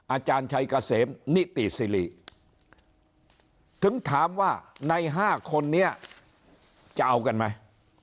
อาจารย์ชัยเกษมนิติสิริถึงถามว่าใน๕คนนี้จะเอากันไหม